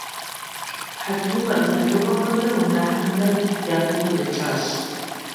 Хьэ тумэр мэлыхъуэхьэмрэ унэхьэмрэ я кум къыдэкӀарщ.